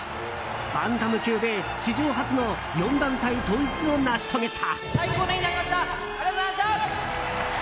バンタム級で史上初の４団体統一を成し遂げた。